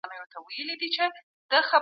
زه غواړم نوي معلومات ترلاسه کړم.